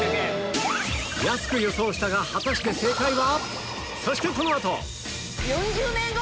安く予想したが果たして正解は？